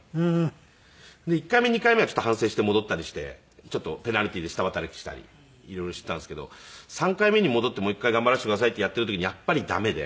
１回目２回目はちょっと反省して戻ったりしてペナルティーで下働きしたり色々していたんですけど３回目に戻ってもう一回頑張らせてくださいってやっている時にやっぱり駄目で。